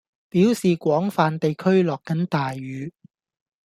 表示廣泛地區落緊大雨